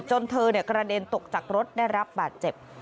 เธอกระเด็นตกจากรถได้รับบาดเจ็บ